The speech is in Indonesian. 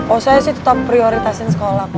oh saya sih tetap prioritasin sekolah